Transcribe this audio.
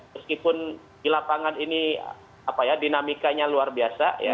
meskipun di lapangan ini dinamikanya luar biasa ya